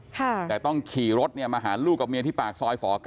แต่ต้องขี่รถมาหาลูกกับเมียที่ปากซอยฝ๙